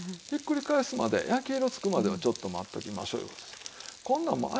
ひっくり返すまで焼き色つくまではちょっと待っておきましょういう事です。